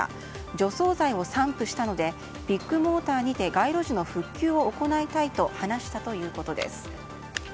除草剤を散布したのでビッグモーターにて街路樹の復旧を行いたいと話したということです。